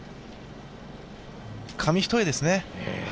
紙一重ですね。